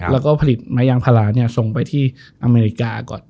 แล้วก็ผลิตไม้ยางพาราส่งไปที่อเมริกาก่อน